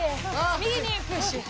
右にプッシュ。